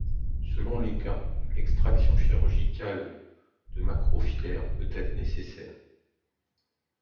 Selon les cas, l'extraction chirurgicale de macrofilaires peut être nécessaire.